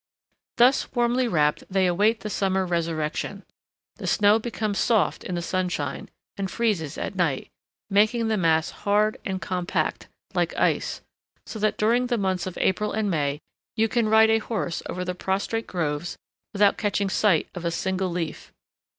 Thus warmly wrapped they await the summer resurrection. The snow becomes soft in the sunshine, and freezes at night, making the mass hard and compact, like ice, so that during the months of April and May you can ride a horse over the prostrate groves without catching sight of a single leaf.